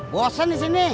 bosan di sini